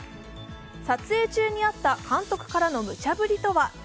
撮影中にあった監督からのむちゃぶりとは？